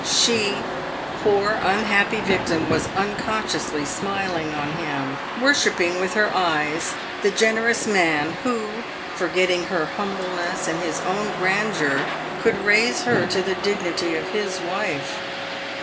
She, poor unhappy victim, was unconsciously smiling on him, worshipping with her eyes the generous man who, forgetting her humbleness and his own grandeur, could raise her to the dignity of his wife.